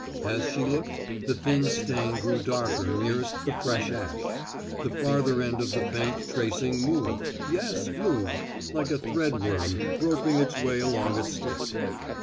As she looked, the thin stain grew darker nearest the fresh ash. The farther end of the faint tracing moved yes, moved, like a threadworm groping its way along a stick.